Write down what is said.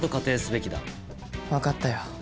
わかったよ。